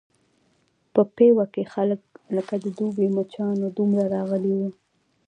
په پېوه کې خلک لکه د دوبي مچانو دومره راغلي وو.